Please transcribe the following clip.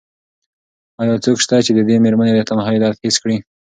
ایا څوک شته چې د دې مېرمنې د تنهایۍ درد حس کړي؟